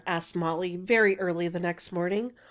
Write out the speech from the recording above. asked Molly very early next morning.